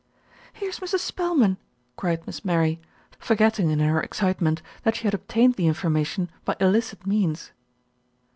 "Here's Mrs. Spelman," cried Miss Mary, forget ting in her excitement that she had obtained the in formation by illicit means.